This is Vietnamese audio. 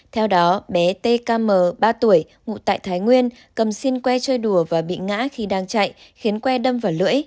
theo đó bé tkm ba tuổi ngụ tại thái nguyên cầm xin que chơi đùa và bị ngã khi đang chạy khiến que đâm vào lưỡi